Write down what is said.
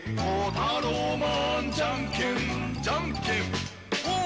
「タローマンじゃんけん」「じゃんけんポン！」